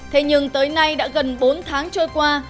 thế nhưng tới nay đã gần bốn tháng trôi qua